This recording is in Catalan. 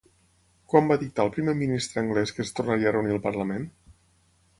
Quan va dictar el primer ministre anglès que es tornaria a reunir el Parlament?